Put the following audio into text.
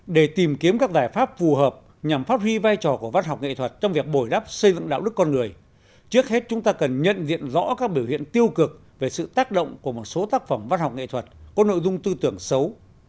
để tìm kiếm các giải pháp phù hợp nhằm phát huy vai trò của văn học nghệ thuật trong việc bồi đắp xây dựng đạo đức con người trước hết chúng ta cần nhận diện rõ các biểu hiện tiêu cực về sự tác động của một số tác phẩm văn học nghệ thuật có nội dung tư tưởng xấu